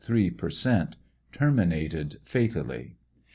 3 per cent, terminated fatally.